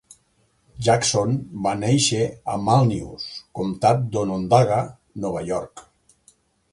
Jackson va néixer a Manlius, comtat d'Onondaga, Nova York.